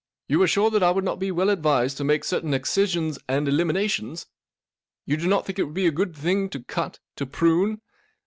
You are sure that I would not be well advised to make certain excisions and eliminations ? You do not think it would be a good thinglto cut, to prune